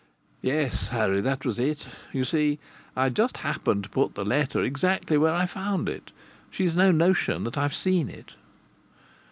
"Yes, Harry, that was it. You see, I'd just happened to put the letter exactly where I found it. She's no notion that I've seen it."